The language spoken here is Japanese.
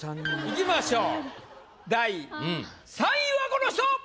いきましょう第３位はこの人！